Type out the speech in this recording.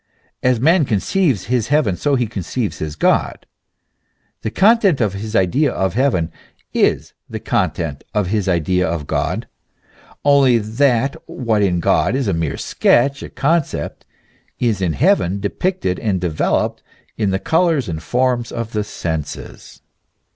As man con ceives his heaven, so he conceives his God ; the content of his idea of heaven is the content of his idea of God, only that what in God is a mere sketch, a concept, is in heaven depicted and developed in the colours and forms of the senses.